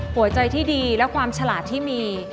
หัวใจที่ดีและความฉลาดที่มี